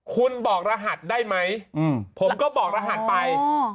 คุณบอกรหัสได้ไหมผมก็บอกรหัสไป